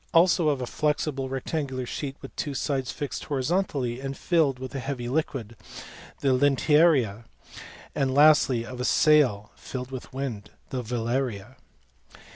373 also of a flexible rectangular sheet with two sides fixed hori zontally and filled with a heavy liquid, the lintearia ; and lastly of a sail filled with wind, the velaria.